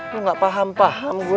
lu gak paham paham gue